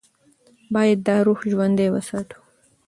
باید دا روح ژوندۍ وساتو.